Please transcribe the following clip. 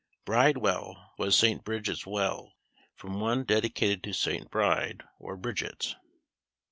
Bridewell was St. Bridget's well, from one dedicated to Saint Bride, or Bridget.